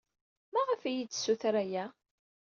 Maɣef ay iyi-d-tessuter aya?